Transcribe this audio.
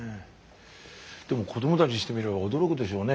でも子どもたちにしてみれば驚くでしょうね。